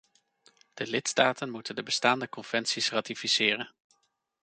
De lidstaten moeten de bestaande conventies ratificeren.